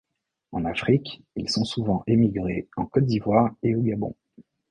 En Afrique, ils ont souvent émigré en Côte d'Ivoire et au Gabon.